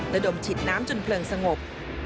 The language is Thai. และดมฉิดน้ำจนเปลืองสงบ